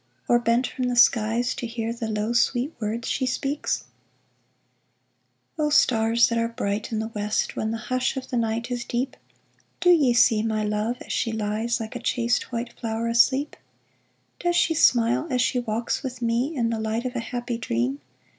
Or bent from the skies to hear The low, sweet words she speaks ? O stars that are bright in the West When the hush of the night is deep, Do ye see my love as she lies Like a chaste, white flower asleep ? Does she smile as she walks with me In the light of a happy dream.